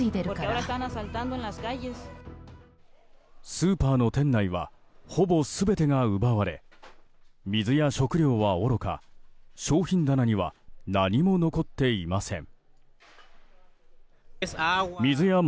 スーパーの店内はほぼ全てが奪われ水や食料はおろか商品棚には何も残っていません。